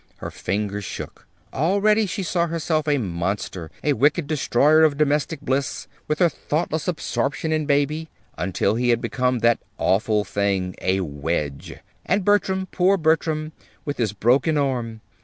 Her fingers shook. Already she saw herself a Monster, a Wicked Destroyer of Domestic Bliss with her thoughtless absorption in Baby, until he had become that Awful Thing a Wedge. And Bertram poor Bertram, with his broken arm!